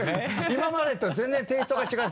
今までと全然テイストが違う。